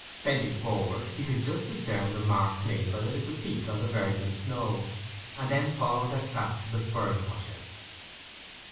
Bending forward, he could just discern the marks made by the little feet on the virgin snow, and he followed their track to the furze bushes.